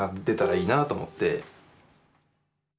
出たらいいなと思って。